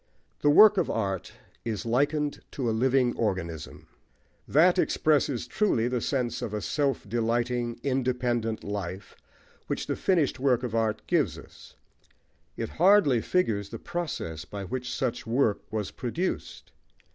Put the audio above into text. The work of art is likened to a living organism. That expresses truly the sense of a self delighting, independent life which the finished work of art gives us: it hardly figures the process by which such work was produced.